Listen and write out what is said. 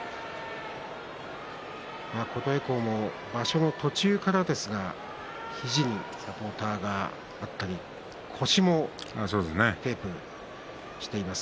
琴恵光も場所の途中からですが肘にサポーターがあったり腰にもテープが巻かれています。